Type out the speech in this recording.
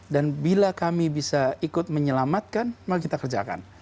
dan bila kami bisa ikut menyelamatkan maka kita kerjakan